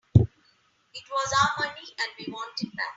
It was our money and we want it back.